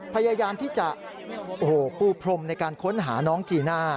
พยายามที่จะปูพรมในการค้นหาน้องจีน่า